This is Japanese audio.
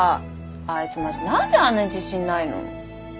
あいつマジ何であんなに自信ないの？